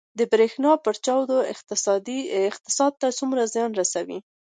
د بریښنا پرچاوي اقتصاد ته څومره زیان رسوي؟